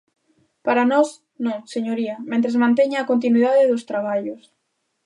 Para nós, non, señoría, mentres manteña a continuidade dos traballos.